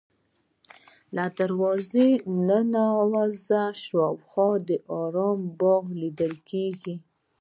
له دروازې ننوځې شاوخوا ارام باغونه لیدل کېږي.